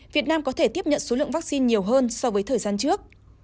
việt nam có thể tiếp nhận số lượng vaccine nhiều hơn so với thời gian trước